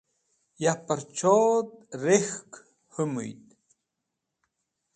ya purchod rek̃hk humuyd